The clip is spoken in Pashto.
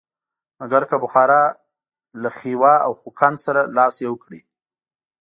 مګر که بخارا له خیوا او خوقند سره لاس یو کړي.